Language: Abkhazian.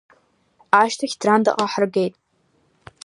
Ашьҭахь Драндаҟа ҳаргеит.